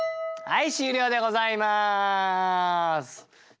はい。